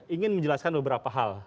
ingin menjelaskan beberapa hal